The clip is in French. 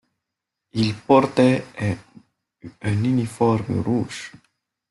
Ils portaient un uniforme rouge.